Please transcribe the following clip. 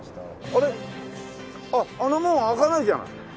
あの門開かないじゃない。